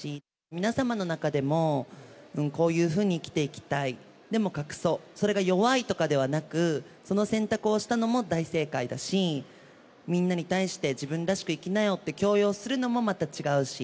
皆様の中でも、こういうふうに生きていきたい、でも隠そう、それが弱いとかではなく、その選択をしたのも大正解だし、みんなに対して、自分らしく生きなよって強要するのもまた違うし。